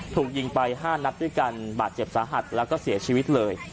ถูกยิงไป๕นัดด้วยกันบาดเจ็บสาหัสแล้วก็เสียชีวิตเลย